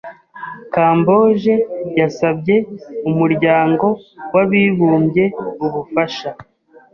Kamboje yasabye Umuryango w’abibumbye ubufasha.